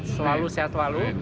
selalu sehat selalu